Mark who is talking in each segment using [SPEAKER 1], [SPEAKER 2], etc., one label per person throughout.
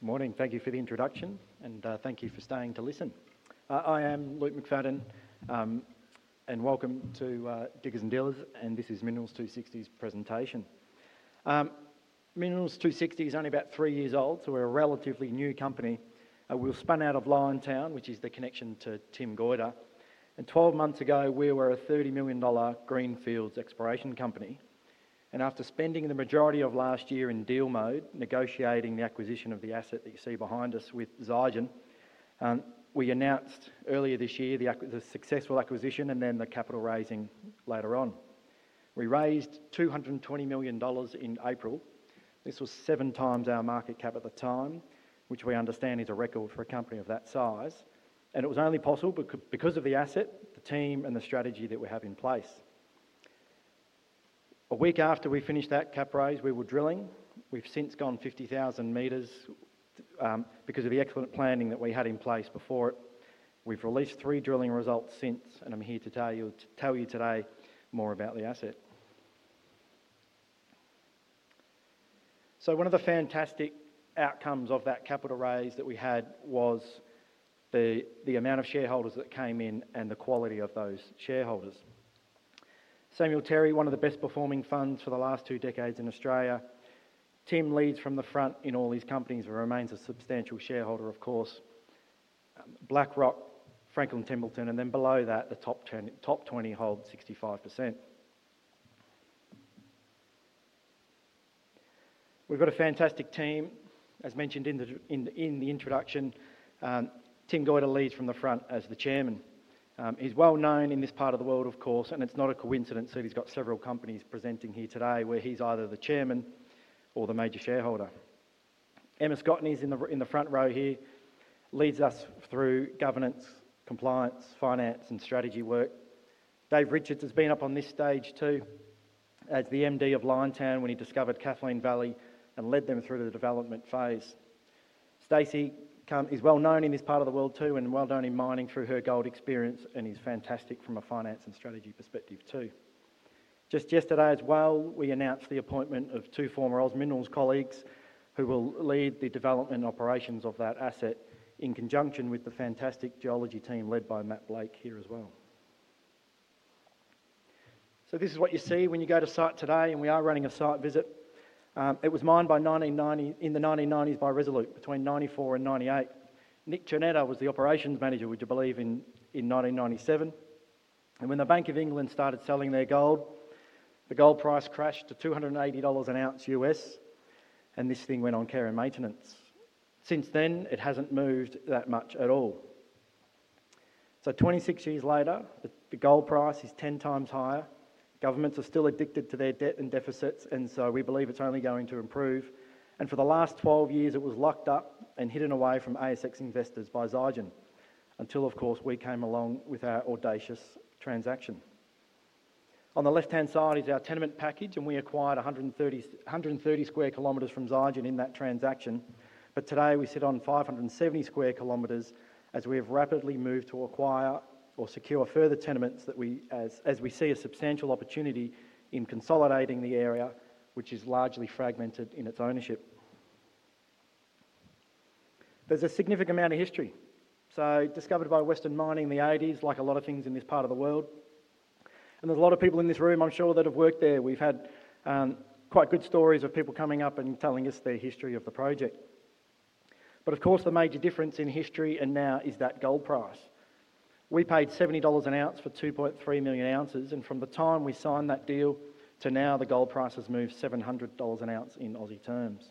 [SPEAKER 1] Good morning. Thank you for the introduction and thank you for staying to listen. I am Luke McFadyen, and welcome to Diggers and Dealers, and this is Minerals 260's presentation. Minerals 260 is only about three years old, so we're a relatively new company. We're spun out of Liontown Resources, which is the connection to Tim Goyder, and 12 months ago, we were a 30 million dollar greenfields exploration company. After spending the majority of last year in deal mode, negotiating the acquisition of the asset that you see behind us with Zijin, we announced earlier this year the successful acquisition and then the capital raising later on. We raised 220 million dollars in April. This was 7x our market cap at the time, which we understand is a record for a company of that size. It was only possible because of the asset, the team, and the strategy that we have in place. A week after we finished that capital raise, we were drilling. We've since gone 50,000 m because of the excellent planning that we had in place before it. We've released three drilling results since, and I'm here to tell you today more about the asset. One of the fantastic outcomes of that capital raise that we had was the amount of shareholders that came in and the quality of those shareholders. Samuel Terry Asset, one of the best-performing funds for the last two decades in Australia. Tim leads from the front in all these companies and remains a substantial shareholder, of course. BlackRock, Franklin Templeton, and then below that, the top 20 hold 65%. We've got a fantastic team. As mentioned in the introduction, Tim Goyder leads from the front as the Chairman. He's well known in this part of the world, of course, and it's not a coincidence that he's got several companies presenting here today where he's either the Chairman or the major shareholder. Emma Scotney is in the front row here, leads us through governance, compliance, finance, and strategy work. Dave Richards has been up on this stage too as the MD of Liontown when he discovered Kathleen Valley and led them through the development phase. Stacey is well known in this part of the world too and well known in mining through her gold experience and is fantastic from a finance and strategy perspective too. Just yesterday as well, we announced the appointment of two former OZ Minerals colleagues who will lead the development operations of that asset in conjunction with the fantastic geology team led by Matt Blake here as well. This is what you see when you go to site today, and we are running a site visit. It was mined in the 1990s by Resolute between 1994 and 1998. Nick Cernotta was the Operations Manager, would you believe, in 1997. When the Bank of England started selling their gold, the gold price crashed to $280 an ounce, U.S., and this thing went on care and maintenance. Since then, it hasn't moved that much at all. Twenty-six years later, the gold price is 10x higher. Governments are still addicted to their debt and deficits, and we believe it's only going to improve. For the last 12 years, it was locked up and hidden away from ASX investors by Zijin, until, of course, we came along with our audacious transaction. On the left-hand side is our tenement package, and we acquired 130 km^2 from Zijin in that transaction. Today, we sit on 570 km^2 as we have rapidly moved to acquire or secure further tenements that we, as we see, a substantial opportunity in consolidating the area, which is largely fragmented in its ownership. There's a significant amount of history. Discovered by Western Mining in the 1980s, like a lot of things in this part of the world. There are a lot of people in this room, I'm sure, that have worked there. We've had quite good stories of people coming up and telling us the history of the project. The major difference in history and now is that gold price. We paid 70 dollars an ounce for 2.3 million ounces, and from the time we signed that deal to now, the gold price has moved 700 dollars an ounce in Aussie terms.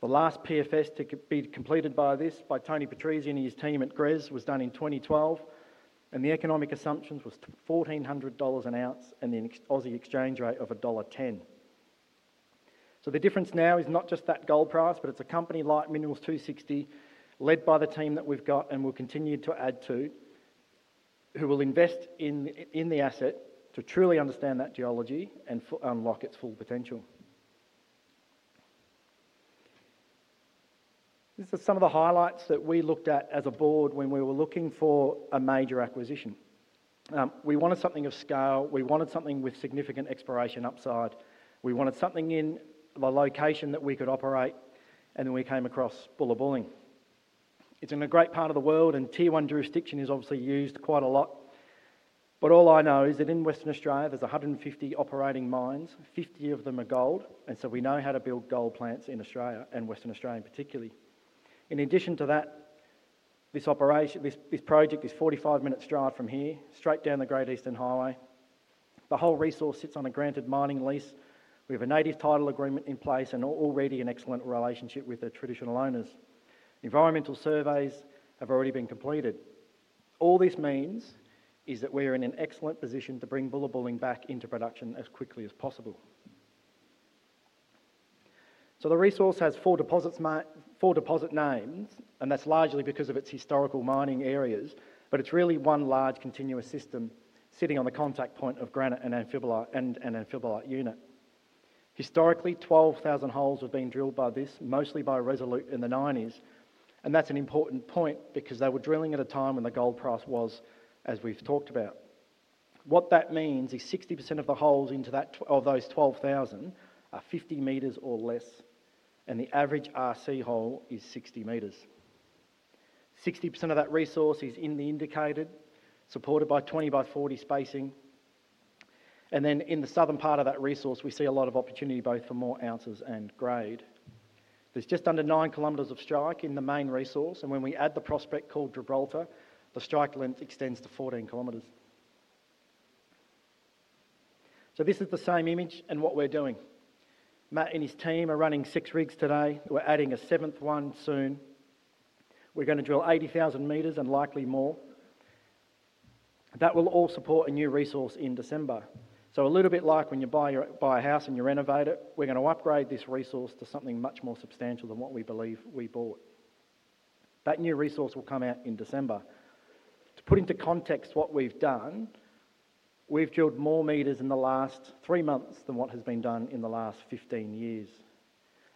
[SPEAKER 1] The last PFS to be completed by this, by Tony Patrizi and his team at GRES, was done in 2012, and the economic assumptions were $1,400 an ounce and the Aussie exchange rate of dollar 1.10. The difference now is not just that gold price, but it's a company like Minerals 260 led by the team that we've got and will continue to add to, who will invest in the asset to truly understand that geology and unlock its full potential. This is some of the highlights that we looked at as a board when we were looking for a major acquisition. We wanted something of scale. We wanted something with significant exploration upside. We wanted something in the location that we could operate, and then we came across Bullabulling. It's in a great part of the world, and Tier 1 jurisdiction is obviously used quite a lot. All I know is that in Western Australia, there's 150 operating mines, 50 of them are gold, and we know how to build gold plants in Australia and Western Australia in particular. In addition to that, this project is 45 minutes drive from here, straight down the Great Eastern Highway. The whole resource sits on a granted mining lease. We have a native title agreement in place and already an excellent relationship with our traditional owners. Environmental surveys have already been completed. All this means is we are in an excellent position to bring Bullabulling back into production as quickly as possible. The resource has four deposit names, and that's largely because of its historical mining areas, but it's really one large continuous system sitting on the contact point of granite and an amphibolite unit. Historically, 12,000 holes have been drilled, mostly by Resolute in the 1990s, and that's an important point because they were drilling at a time when the gold price was, as we've talked about. What that means is 60% of the holes of those 12,000 are 50 m or less, and the average RC hole is 60 m. 60% of that resource is in the indicated, supported by 20x40 spacing. In the southern part of that resource, we see a lot of opportunity both for more ounces and grade. There's just under 9 km of strike in the main resource, and when we add the prospect called Gibraltar, the strike length extends to 14 km. This is the same image and what we're doing. Matt and his team are running six rigs today. We're adding a seventh one soon. We're going to drill 80,000 m and likely more. That will all support a new resource in December. A little bit like when you buy a house and you renovate it, we're going to upgrade this resource to something much more substantial than what we believe we bought. That new resource will come out in December. To put into context what we've done, we've drilled more meters in the last three months than what has been done in the last 15 years.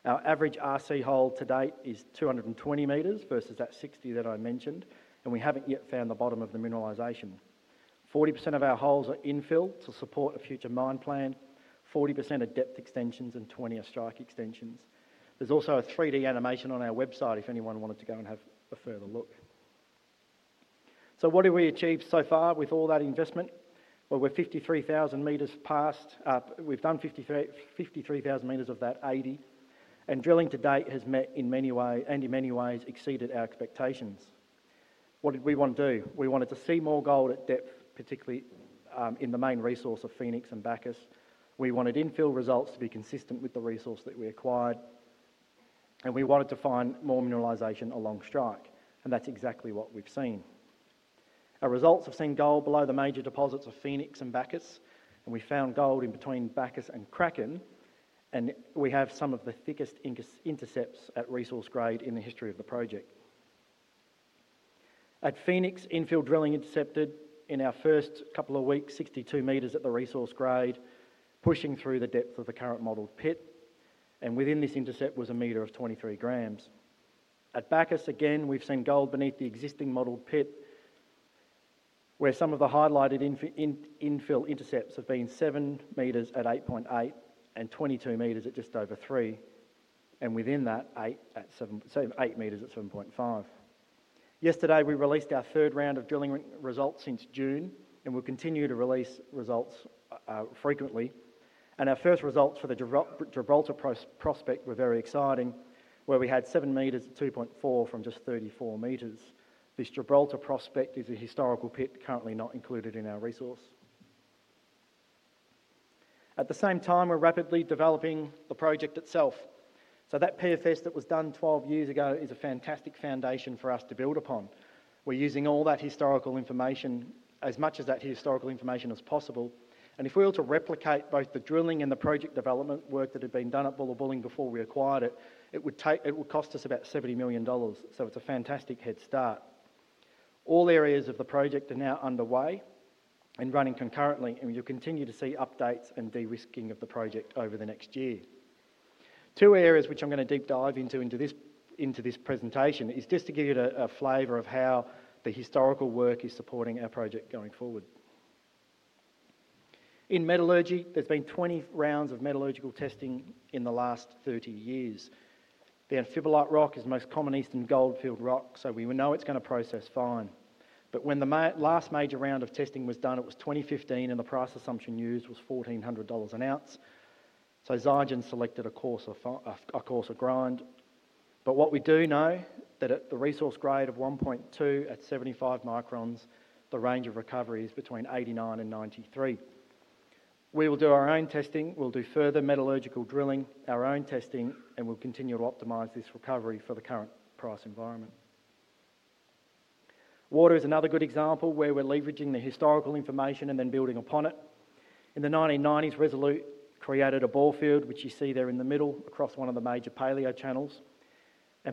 [SPEAKER 1] Our average RC hole to date is 220 m versus that 60 m that I mentioned, and we haven't yet found the bottom of the mineralization. 40% of our holes are infill to support a future mine plan, 40% are depth extensions, and 20% are strike extensions. There's also a 3D animation on our website if anyone wanted to go and have a further look. What have we achieved so far with all that investment? We're 53,000 m past. We've done 53,000 m of that 80,000 m, and drilling to date has met in many ways and in many ways exceeded our expectations. What did we want to do? We wanted to see more gold at depth, particularly in the main resource of Phoenix and Bacchus. We wanted infill results to be consistent with the resource that we acquired, and we wanted to find more mineralization along strike, and that's exactly what we've seen. Our results have seen gold below the major deposits of Phoenix and Bacchus, and we found gold in between Bacchus and Kraken, and we have some of the thickest intercepts at resource grade in the history of the project. At Phoenix, infill drilling intercepted in our first couple of weeks, 62 m at the resource grade, pushing through the depth of the current modeled pit, and within this intercept was a meter of 23 g. At Bacchus, again, we've seen gold beneath the existing modeled pit, where some of the highlighted infill intercepts have been 7 m at 8.8 g/t and 22 m at just over 3 g/t, and within that, 8 m at 7.5 g/t. Yesterday, we released our third round of drilling results since June, and we'll continue to release results frequently. Our first results for the Gibraltar prospect were very exciting, where we had 7 m at 2.4 g/t from just 34 m. This Gibraltar prospect is a historical pit, currently not included in our resource. At the same time, we're rapidly developing the project itself. That PFS that was done 12 years ago is a fantastic foundation for us to build upon. We're using all that historical information, as much of that historical information as possible. If we were to replicate both the drilling and the project development work that had been done at Bullabulling before we acquired it, it would cost us about 70 million dollars. It's a fantastic head start. All areas of the project are now underway and running concurrently, and you'll continue to see updates and de-risking of the project over the next year. Two areas which I'm going to deep dive into in this presentation is just to give you a flavor of how the historical work is supporting our project going forward. In metallurgy, there's been 20 rounds of metallurgical testing in the last 30 years. The amphibolite rock is the most common Eastern Goldfield rock, so we know it's going to process fine. When the last major round of testing was done, it was 2015, and the price assumption used was $1,400 an ounce. Zijin selected a coarse grind. What we do know is that at the resource grade of 1.2 at 75 µm, the range of recovery is between 89% and 93%. We will do our own testing. We'll do further metallurgical drilling, our own testing, and we'll continue to optimize this recovery for the current price environment. Water is another good example where we're leveraging the historical information and then building upon it. In the 1990s, Resolute created a bore field, which you see there in the middle, across one of the major paleo channels.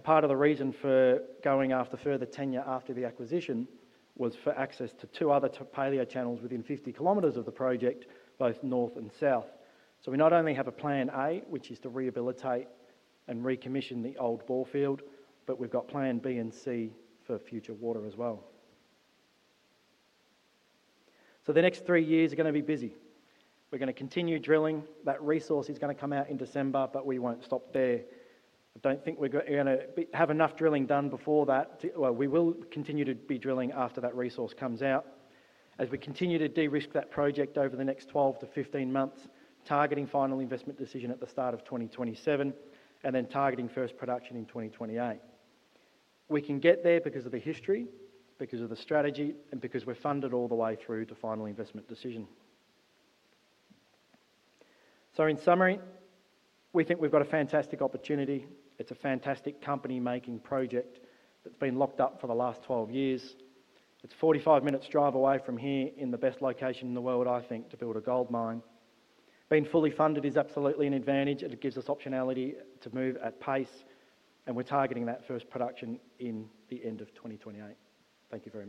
[SPEAKER 1] Part of the reason for going after further tenure after the acquisition was for access to two other paleo channels within 50 km of the project, both north and south. We not only have a plan A, which is to rehabilitate and recommission the old bore field, but we've got plan B and C for future water as well. The next three years are going to be busy. We're going to continue drilling. That resource is going to come out in December, but we won't stop there. I don't think we're going to have enough drilling done before that. We will continue to be drilling after that resource comes out as we continue to de-risk that project over the next 12-15 months, targeting final investment decision at the start of 2027 and then targeting first production in 2028. We can get there because of the history, because of the strategy, and because we're funded all the way through to final investment decision. In summary, we think we've got a fantastic opportunity. It's a fantastic company-making project that's been locked up for the last 12 years. It's 45 minutes drive away from here in the best location in the world, I think, to build a gold mine. Being fully funded is absolutely an advantage, and it gives us optionality to move at pace, and we're targeting that first production in the end of 2028. Thank you very much.